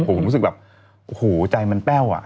ผมรู้สึกแบบโอ้โหใจมันแป้วอ่ะ